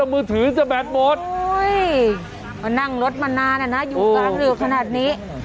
แล้วมือถือจะแบดหมดโอ้ยมานั่งรถมานานอะนะอยู่กลางอยู่ขนาดนี้